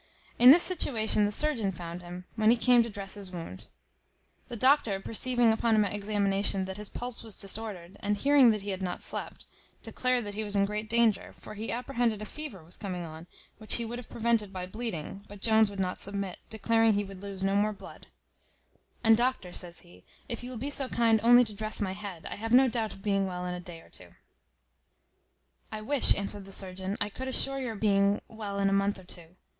In this situation the surgeon found him, when he came to dress his wound. The doctor perceiving, upon examination, that his pulse was disordered, and hearing that he had not slept, declared that he was in great danger; for he apprehended a fever was coming on, which he would have prevented by bleeding, but Jones would not submit, declaring he would lose no more blood; "and, doctor," says he, "if you will be so kind only to dress my head, I have no doubt of being well in a day or two." "I wish," answered the surgeon, "I could assure your being well in a month or two.